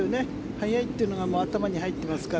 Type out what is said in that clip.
速いっていうのが頭に入っていますから。